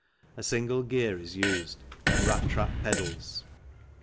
A single gear is used and rat trap pedals.